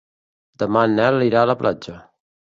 Demà en Nel irà a la platja.